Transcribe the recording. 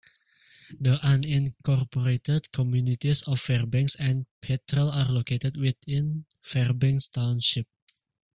The unincorporated communities of Fairbanks and Petrel are located within Fairbanks Township.